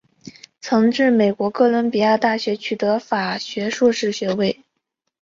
曾至美国哥伦比亚大学取得法学硕士学位。